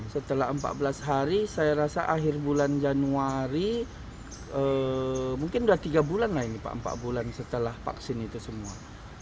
setelah empat belas hari saya rasa akhir bulan januari mungkin sudah tiga bulan lah ini pak empat bulan setelah vaksin itu semua